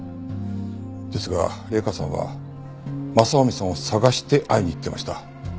ですが麗華さんは雅臣さんを捜して会いに行ってました。